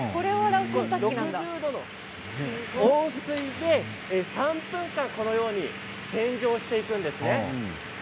６０度の温水で３分間、洗浄していくんですね。